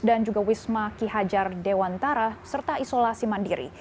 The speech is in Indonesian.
dan juga wisma kihajar dewantara serta isolasi mandiri